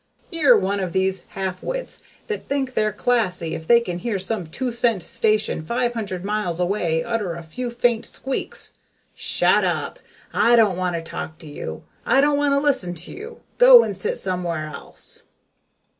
You're one of these half wits that think they're classy if they can hear some two cent station five hundred miles away utter a few faint squeaks. Shut up! I don't want to talk to you. I don't want to listen to you. Go and sit somewhere else."